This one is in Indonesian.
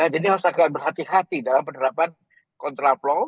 jadi harus agak berhati hati dalam penerapan kontraflow